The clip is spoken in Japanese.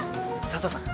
佐都さん！